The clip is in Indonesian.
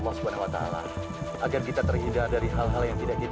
tentulah aura yang ralph biotech